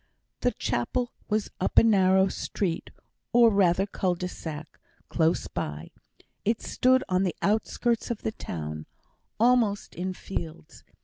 The chapel was up a narrow street, or rather cul de sac, close by. It stood on the outskirts of the town, almost in fields.